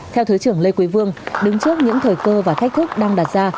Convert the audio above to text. theo thứ trưởng lê quý vương đứng trước những thời cơ và thách thức đang đặt ra